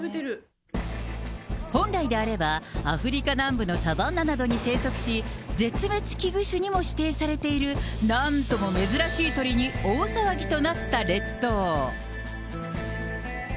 本来であれば、アフリカ南部のサバンナなどに生息し絶滅危惧種にも指定されている、なんとも珍しい鳥に、大騒ぎになった列島。